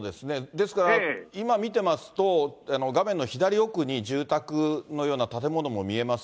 ですから、今見てますと、画面の左奥に住宅のような建物も見えます。